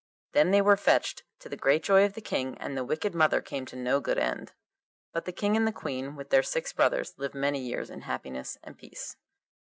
Then they were fetched, to the great joy of the King, and the wicked mother came to no good end. But the King and the Queen with their six brothers lived many years in happiness and peace.